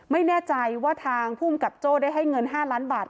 ไม่แน่ใจว่าทางภูมิกับโจ้ได้ให้เงิน๕ล้านบาท